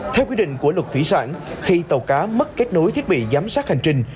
theo quy định của luật thủy sản khi tàu cá mất kết nối thiết bị giám sát hành trình